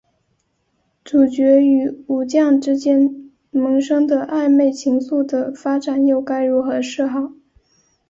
主角与武将之间萌生的暧昧情愫的发展又该如何是好？